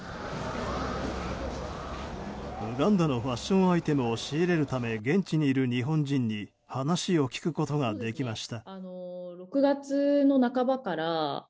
ウガンダのファッションアイテムを仕入れるため現地にいる日本人に話を聞くことができました。